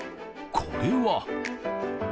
これは。